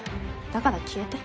だから消えて。